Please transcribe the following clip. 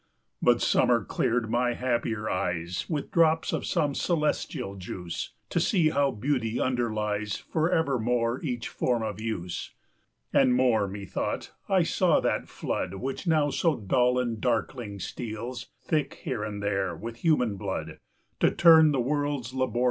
But Summer cleared my happier eyes With drops of some celestial juice, 30 To see how Beauty underlies, Forevermore each form of use. And more; methought I saw that flood, Which now so dull and darkling steals, Thick, here and there, with human blood, 35 To turn the world's laborious wheels.